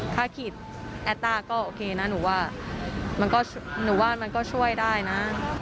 ถ้าขีดแอตต้าก็โอเคนะหนูว่าหนูว่ามันก็ช่วยได้นะ